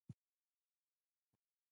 د نساجۍ صنعت هم پرمختګ وکړ.